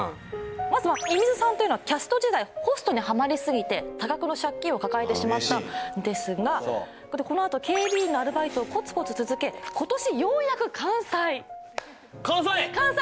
まずはミミズさんというのはキャスト時代ホストにハマり過ぎて多額の借金を抱えてしまったんですがこのあと警備員のアルバイトをコツコツ続け今年ようやく完済完済！